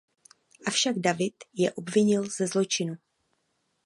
Avšak David je obvinil ze zločinu.